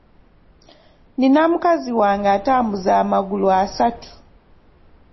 Nina mukazi wange atambuza amagulu asatu.